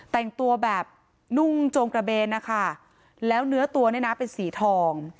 แต่งตัวแบบนุ่งโจงกระเบนนะคะแล้วเนื้อตัวเนี่ยนะเป็นสีทอง